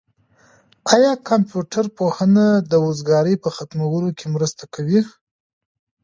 آیا کمپيوټر پوهنه د وزګارۍ په ختمولو کي مرسته کوي؟